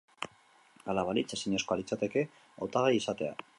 Hala balitz, ezinezkoa litzateke hautagai izatea.